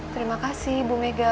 terima kasih bu mega